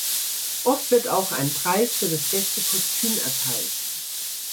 Oft wird auch ein Preis für das beste Kostüm erteilt.